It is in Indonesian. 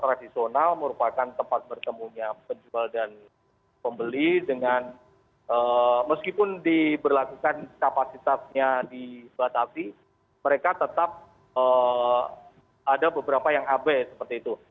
tradisional merupakan tempat bertemunya penjual dan pembeli dengan meskipun diberlakukan kapasitasnya dibatasi mereka tetap ada beberapa yang abe seperti itu